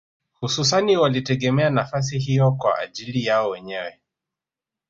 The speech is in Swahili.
Hususani waliotegemea nafasi hiyo kwa ajili yao wenyewe